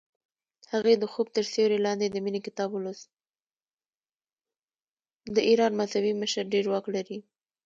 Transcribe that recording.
د ایران مذهبي مشر ډیر واک لري.